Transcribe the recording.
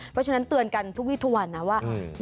เพราะฉะนั้นเตือนกันทุกวีทุกวันนะว่า